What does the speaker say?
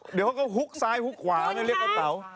เดี๋ยวเขาก็ฮุกซ้ายฮุกขวานะเรียกเอาเต๋า